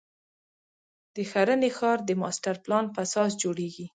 د ښرنې ښار د ماسټر پلان په اساس جوړېږي.